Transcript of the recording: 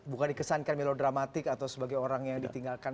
bukan dikesankan melodramatik atau sebagai orang yang ditinggalkan